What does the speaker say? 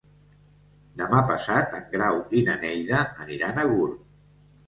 Demà passat en Grau i na Neida aniran a Gurb.